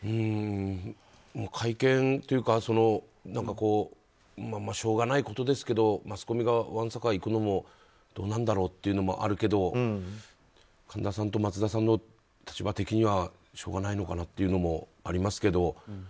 会見というかしょうがないことですけどマスコミがわんさか行くのもどうなんだろうというのもあるけど神田さんと松田さんの立場的にはしょうがないのかなというのもありますけど。